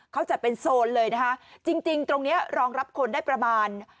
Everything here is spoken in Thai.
เขาจัดเป็นโซนเลยนะคะจริงจริงตรงเนี้ยรองรับคนได้ประมาณ